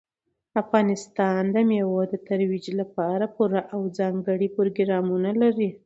افغانستان د مېوو د ترویج لپاره پوره او ځانګړي پروګرامونه لري.